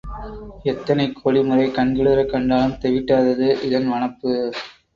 எத்தனை கோடி முறை கண்குளிரக் கண்டாலும் தெவிட்டாதது இதன் வனப்பு.